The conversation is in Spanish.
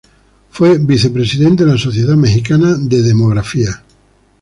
Fue vicepresidente de la Sociedad Mexicana de Demografía.